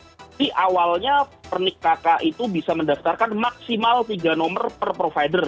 jadi awalnya pernik kakak itu bisa mendaftarkan maksimal tiga nomor per provider